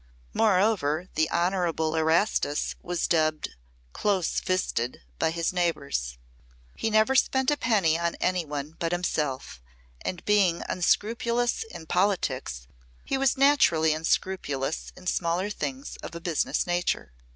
Moreover, the Honorable Erastus was dubbed "close fisted" by his neighbors. He never spent a penny on anyone but himself, and being unscrupulous in politics he was naturally unscrupulous in smaller things of a business nature.